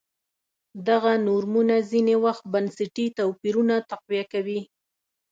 دغه نورمونه ځیني وخت بنسټي توپیرونه تقویه کوي.